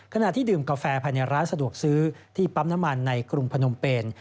ขณะที่ดื่มกาแฟภายในร้านสะดวกซื้อที่ปั๊มน้ำมันในกรุงพนมเป็น